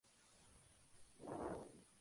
Es latín y significa "que no conoce descenso".